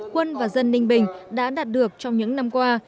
quân và dân ninh bình đã đạt được trong những năm qua